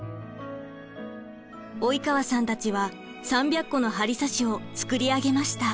及川さんたちは３００個の針刺しを作り上げました。